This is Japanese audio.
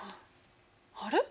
あれ？